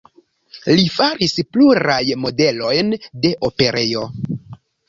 Li faris pluraj modelojn de operejo.